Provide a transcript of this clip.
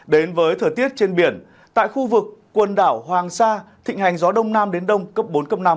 đến với thời tiết trên biển tại khu vực quần đảo hoàng sa thịnh hành gió đông nam đến đông cấp bốn năm